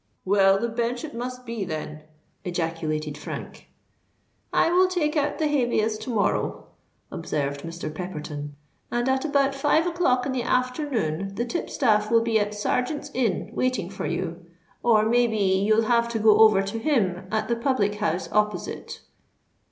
"Well—the Bench it must be, then!" ejaculated Frank. "I will take out the habeas to morrow," observed Mr. Pepperton; "and at about five o'clock in the afternoon the tipstaff will be at Serjeant's Inn waiting for you—or may be, you'll have to go over to him at the public house opposite."